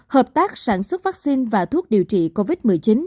hợp tác sản xuất vaccine và thuốc điều trị covid một mươi chín